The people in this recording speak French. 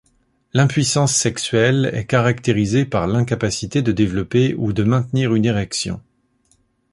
L’impuissance sexuelle est caractérisée par l’incapacité de développer ou de maintenir une érection.